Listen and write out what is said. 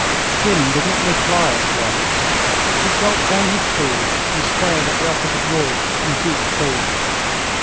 Skim did not reply at once. He gulped down his tea and stared at the opposite wall in deep thought.